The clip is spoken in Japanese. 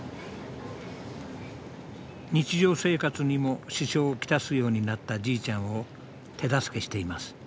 日常生活にも支障をきたすようになったじいちゃんを手助けしています。